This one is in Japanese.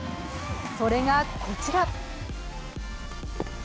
それがこちら。